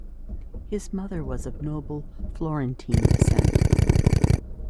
His mother was of noble Florentine descent.